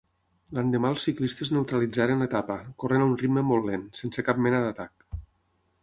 L'endemà els ciclistes neutralitzaren l'etapa, corrent a un ritme molt lent, sense cap mena d'atac.